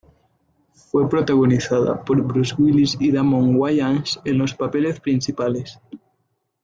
Fue protagonizada por Bruce Willis y Damon Wayans en los papeles principales.